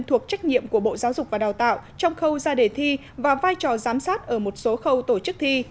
thuộc trách nhiệm của bộ giáo dục và đào tạo trong khâu ra đề thi và vai trò giám sát ở một số khâu tổ chức thi